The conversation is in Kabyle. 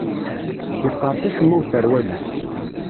Yeqqers acemma userwal-is.